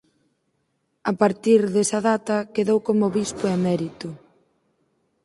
A partir desa data quedou como bispo emérito.